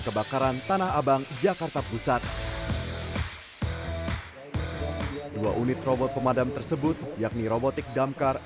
kebakaran tanah abang jakarta pusat dua unit robot pemadam tersebut yakni robotik damkar